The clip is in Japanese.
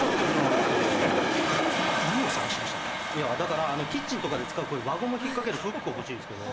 いやだからキッチンとかで使うこういう輪ゴム引っ掛けるフック欲しいんですけど。